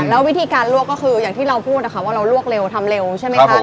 แล้ววิธีการลวกก็คืออย่างที่เราพูดนะคะว่าเราลวกเร็วทำเร็วใช่ไหมคะ